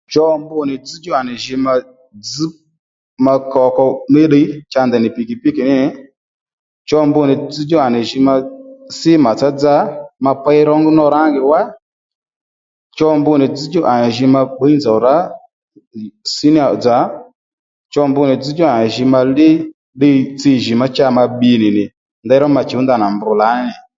Cho mbu nì dzzdjú à nì jǐ ma dzž ma koko mí ddiy cha ndèy nì pìkìpíkì ní nì Cho mbu nì dzzdjú à nì jǐ ma sí màtsá dza ma pěy rǒmá rǎngì wá Cho mbu nì dzzdjú à nì jǐ ma ma pbǐy nzòw rǎ síníyà dzà Cho mbu nì dzzdjú à nì jǐ ma lí ddiy tsi jì má cha bbi nì nì ndeyró ma chǔw ndanà mb lǎní